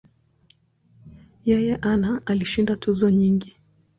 Yeye ana alishinda tuzo nyingi.